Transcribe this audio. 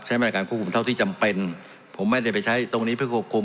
มาตรการควบคุมเท่าที่จำเป็นผมไม่ได้ไปใช้ตรงนี้เพื่อควบคุม